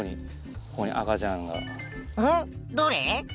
どれ？